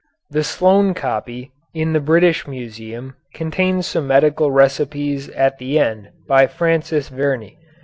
The Sloane copy in the British Museum contains some medical recipes at the end by Francis Verney.